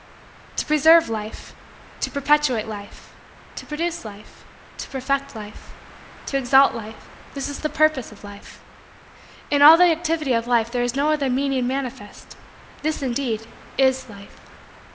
To preserve Life to perpetuate Life to produce Life to perfect Life to exalt Life this is the purpose of Life. In all the activity of Life there is no other meaning manifest. This, indeed, is Life.